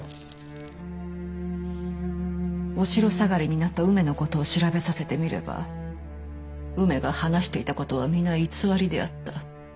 お城下がりになった梅のことを調べさせてみれば梅が話していたことは皆偽りであった。